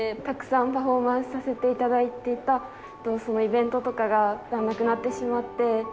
たくさんパフォーマンスさせていただいていたイベントとかがなくなってしまって。